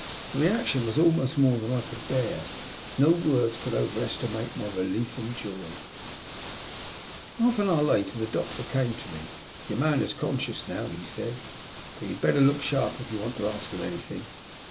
The reaction was almost more than I could bear. No words could over estimate my relief and joy* Half an hour later the doctor came to me. ''Tour man is conscious now," he said. ''But you'd better look sharp if you want to ask him any thing.